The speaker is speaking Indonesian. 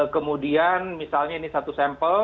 kemudian misalnya ini satu sampel